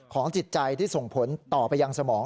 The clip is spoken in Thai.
จิตใจที่ส่งผลต่อไปยังสมอง